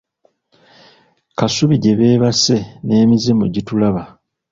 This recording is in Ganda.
Kasubi gye beebase n’emizimu gitulaba.